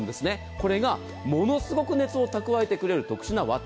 これがものすごく熱を蓄えてくれる特殊な綿。